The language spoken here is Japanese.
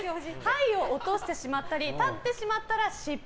牌を落としてしまったり立ってしまったら失敗。